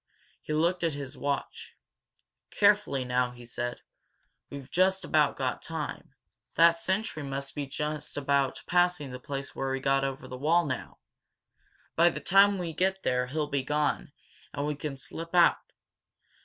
He looked at his watch. "Carefully, now," he said. "We've just about got time. That sentry must be just about passing the place where we got over the wall now. By the time we get there he'll be gone, and we can slip out.